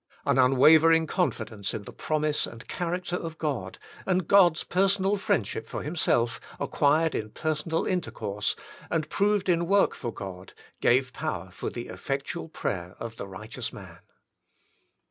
'* An unwavering confidence in the promise and character of God, and God's personal friendship for himself, acquired in personal inter course, and proved in work for God, gave power for the effectual prayer of the righteous man.